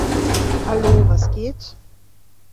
Hallo, was geht?